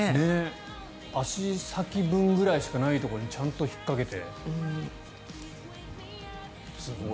足先分ぐらいしかないところにちゃんと引っかけて。